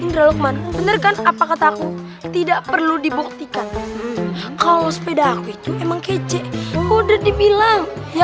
indra lukman bener kan apa kataku tidak perlu dibuktikan kalau sepeda kece udah dibilang ya